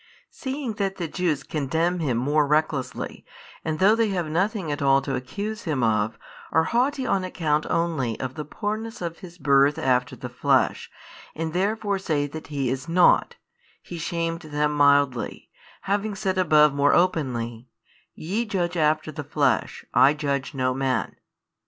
Seeing that the Jews condemn Him more recklessly, and though they have nothing at all to accuse Him of, are haughty on account only of the poorness of His Birth after the Flesh, and therefore say that He is nought, He shamed them mildly, having said above more openly, YE judge after the flesh, I judge no man.